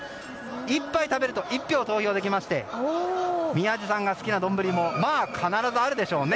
１杯食べると１票投票できまして宮司さんが好きな丼も必ずあるでしょうね。